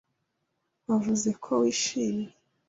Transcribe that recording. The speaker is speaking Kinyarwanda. Wavuze ko wishimye.